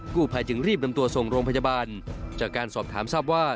ภายจึงรีบนำตัวส่งโรงพยาบาลจากการสอบถามทราบว่า